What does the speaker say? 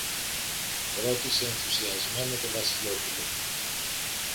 ρώτησε ενθουσιασμένο το Βασιλόπουλο.